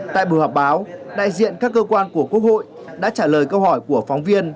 tại buổi họp báo đại diện các cơ quan của quốc hội đã trả lời câu hỏi của phóng viên